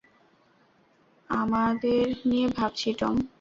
আমাদেরলে নিয়ে ভাবছি, টম।